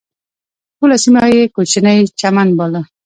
ټوله سیمه یې کوچنی چمن باله.